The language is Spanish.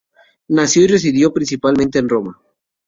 Nació y residió principalmente en Roma.